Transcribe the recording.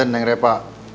bentar neng repa